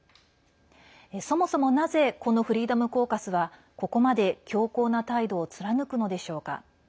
そもそも、なぜこのフリーダム・コーカスはここまで強硬な態度を貫くのでしょうか。